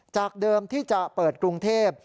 จากเดิมที่จะเปิดกรุงเทพ